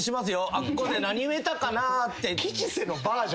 あっこで何言えたかなって。